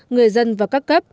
người dân và các cấp